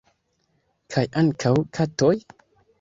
Kaj ankaŭ katoj?